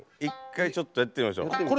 １回ちょっとやってみましょう。